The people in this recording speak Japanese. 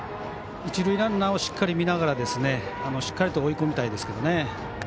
一塁ランナーをしっかり見ながらしっかりと追い込みたいですね。